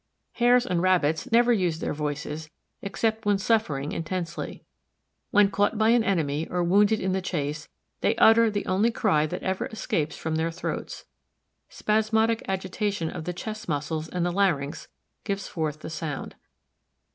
Hares and Rabbits never use their voices except when suffering intensely. When caught by an enemy or wounded in the chase they utter the only cry that ever escapes from their throats. Spasmodic agitation of the chest muscles and the larynx gives forth the sound.